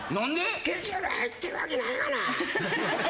スケジュール入ってるわけないがな。